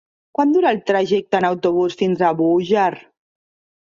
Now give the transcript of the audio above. Quant dura el trajecte en autobús fins a Búger?